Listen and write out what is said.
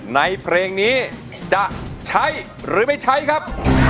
ในเพลงนี้จะใช้หรือไม่ใช้ครับ